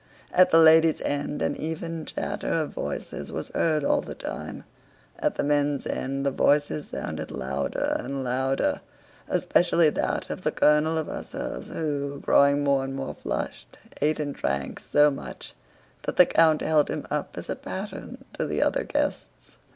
At the ladies' end an even chatter of voices was heard all the time, at the men's end the voices sounded louder and louder, especially that of the colonel of hussars who, growing more and more flushed, ate and drank so much that the count held him up as a pattern to the other guests.